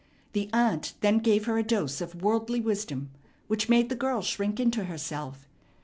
The aunt then gave her a dose of worldly wisdom, which made the girl shrink into herself.